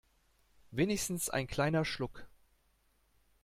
Wenigstens ein kleiner Schluck.